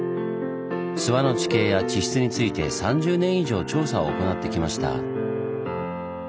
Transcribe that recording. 諏訪の地形や地質について３０年以上調査を行ってきました。